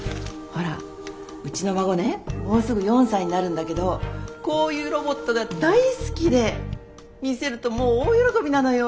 うちの孫ねもうすぐ４歳になるんだけどこういうロボットが大好きで見せるともう大喜びなのよ。